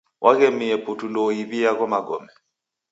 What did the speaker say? Waghemie putu ndouiw'ie agho magome.